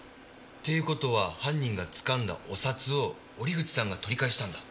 っていう事は犯人が掴んだお札を折口さんが取り返したんだ。